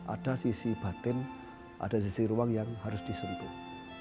ada sisi batin ada sisi ruang yang harus disentuh